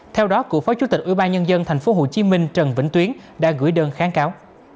theo đó cựu phó chủ tịch ủy ban nhân dân tp hcm trần vĩnh tuyến đã gửi đơn kháng cáo